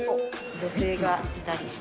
女性がいたりして。